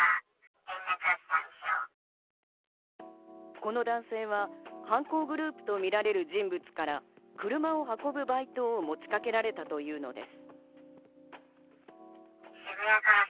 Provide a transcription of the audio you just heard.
この男性は犯行グループとみられる人物から車を運ぶバイトを持ちかけられたというのです。